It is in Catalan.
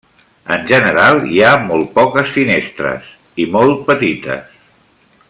En general hi ha molt poques finestres, i molt petites.